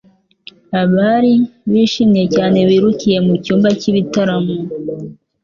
Abari bishimiye cyane birukiye mu cyumba cy’ibitaramo